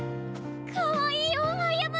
かわいいよ歩夢！